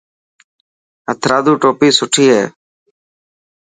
هٿرادو ٽوپي سٺي هي.